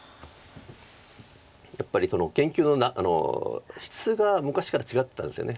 やっぱり研究の質が昔から違ってたんですよね